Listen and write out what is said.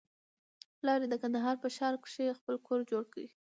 پلار يې د کندهار په ښار کښې خپل کور جوړ کړى.